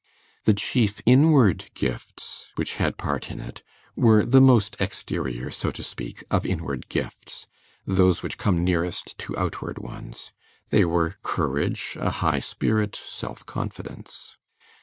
The chief inward gifts which had part in it were the most exterior, so to speak, of inward gifts, those which come nearest to outward ones; they were courage, a high spirit, self confidence.